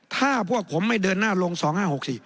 ถ้าพวกผมไม่เดินหน้าลง๒๕๖๔